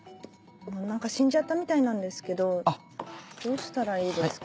何か死んじゃったみたいなんですけどどうしたらいいですか？